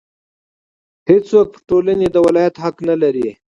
هېڅوک پر ټولنې د ولایت حق نه لري.